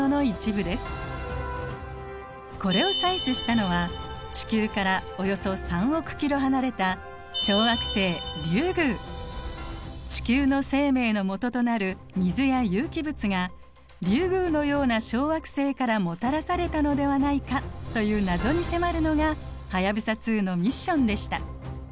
これを採取したのは地球からおよそ３億キロ離れた小惑星地球の生命のもととなる水や有機物がリュウグウのような小惑星からもたらされたのではないかという謎に迫るのが「はやぶさ２」のミッションでした。